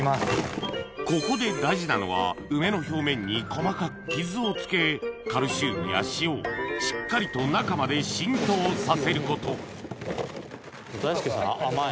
ここで大事なのは梅の表面に細かく傷をつけカルシウムや塩をしっかりと中まで浸透させること大輔さんあまい。